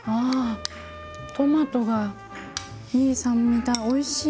トマトがいい酸味だ、おいしい。